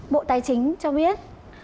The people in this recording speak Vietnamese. bộ tài chính cho biết